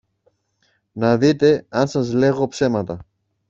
να δείτε αν σας λέγω ψέματα.